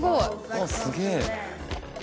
あすげえ。